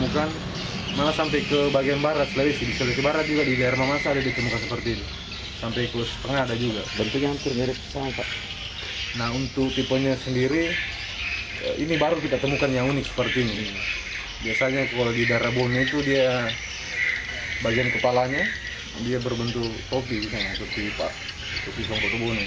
kepalanya dia berbentuk topi seperti koki sompok kebunan